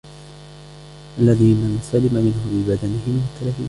الَّذِي مَنْ سَلِمَ مِنْهُ بِبَدَنِهِ مِنْ التَّلَفِ فِيهِ